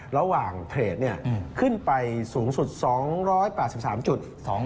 ระหว่างเทรดขึ้นไปสูงสุด๒๘๓จุด